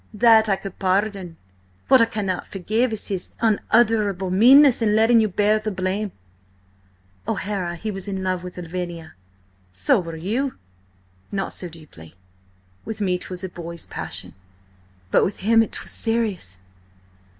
"That I could pardon. What I cannot forgive is his—unutterable meanness in letting you bear the blame." "O'Hara, he was in love with Lavinia—" "So were you." "Not so deeply. With me 'twas a boy's passion, but with him 'twas serious."